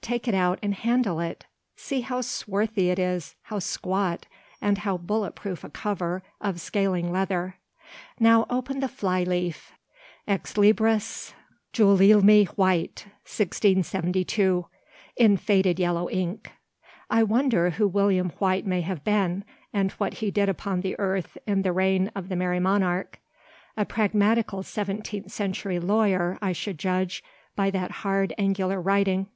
Take it out and handle it! See how swarthy it is, how squat, with how bullet proof a cover of scaling leather. Now open the fly leaf "Ex libris Guilielmi Whyte. 1672" in faded yellow ink. I wonder who William Whyte may have been, and what he did upon earth in the reign of the merry monarch. A pragmatical seventeenth century lawyer, I should judge, by that hard, angular writing.